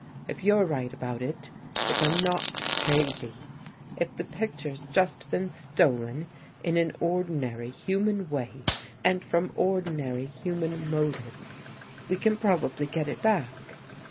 If you're right about it, if I'm not crazy, if the picture's just been stolen in an ordi nary, human way and from ordinary human motives, we can probably get it back.